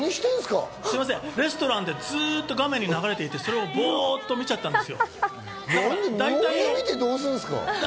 レストランでずっと画面に流れていて、それをぼっと見ちゃったんです。